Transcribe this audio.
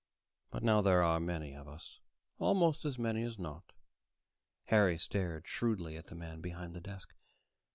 But now there are many of us, almost as many as not." Harry stared shrewdly at the man behind the desk.